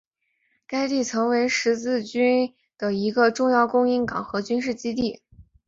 该地曾为十字军的一个重要的供应港和军事基地。